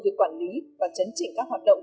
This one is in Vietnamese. việc quản lý và chấn chỉnh các hoạt động